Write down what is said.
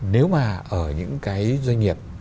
nếu mà ở những cái doanh nghiệp